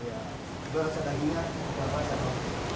kalau rasa dagingnya nggak pahit